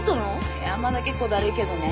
いやまだ結構だるいけどね。